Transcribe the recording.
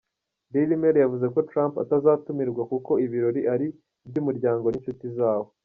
Daily Mail yavuze ko Trump atazatumirwa kuko ibirori ari iby’umuryango n’inshuti zawo.